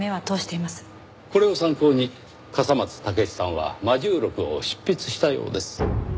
これを参考に笠松剛史さんは『魔銃録』を執筆したようです。